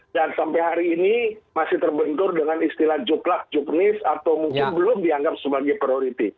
dan sampai hari ini masih terbentur dengan istilah juklak juknis atau mungkin belum dianggap sebagai prioriti